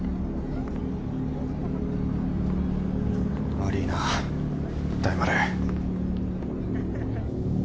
悪いな大丸。